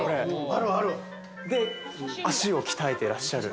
足を鍛えてらっしゃる。